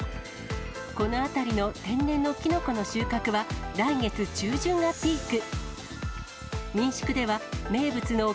この辺りの天然のきのこの収穫は、来月中旬がピーク。